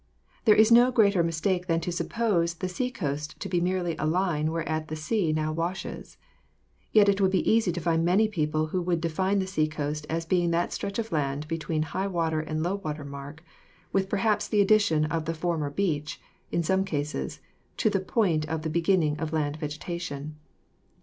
There is no greater mistake than to suppose the seacoast to be merely a line whereat the sea now washes. Yet it would be easy to find many people who would define the seacoast as being that stretch of land between high water and low water mark, with perhaps the addition of the former beach (in some cases) , to the point of the beginning of land vegetation.